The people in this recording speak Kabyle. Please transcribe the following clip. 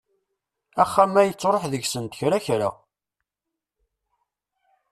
Axxam-a yettruḥ deg-sent kra kra.